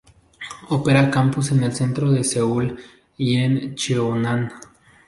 Opera campus en el centro de Seúl y en Cheonan.